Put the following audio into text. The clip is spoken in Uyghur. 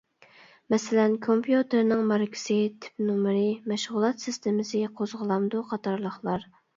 مەسىلەن، كومپيۇتېرنىڭ ماركىسى، تىپ نومۇرى، مەشغۇلات سىستېمىسى قوزغىلامدۇ. قاتارلىقلار.